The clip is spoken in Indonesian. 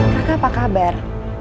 kakak apa kabar